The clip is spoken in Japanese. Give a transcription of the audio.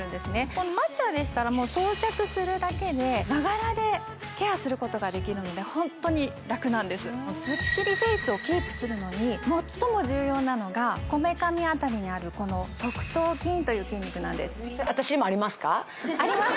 このマチュアでしたらもう装着するだけでながらでケアすることができるのでホントに楽なんですスッキリフェイスをキープするのに最も重要なのがこめかみ辺りにあるこの側頭筋という筋肉なんですあります